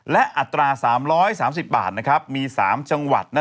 และอัตรา๓๓๐บาทมี๓จังหวัด